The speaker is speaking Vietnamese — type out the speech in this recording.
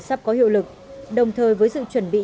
sắp có hiệu lực đồng thời với sự chuẩn bị